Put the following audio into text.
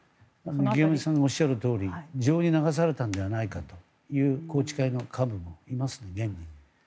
池上さんがおっしゃるとおり情に流されたんじゃないかという宏池会の幹部もいます、現に。